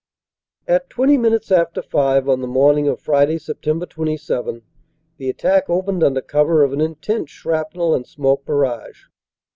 "At twenty minutes after five on the morning of Friday, Sept. 27, the attack opened under cover of an intense shrapnel and smoke barrage.